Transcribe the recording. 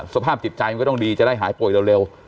สภาพจิตใจมันก็ต้องดีจะได้หายป่วยเร็ว